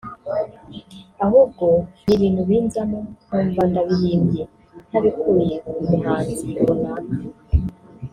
ahubwo ni ibintu binzamo nkumva ndabihimbye ntabikuye ku muhanzi runaka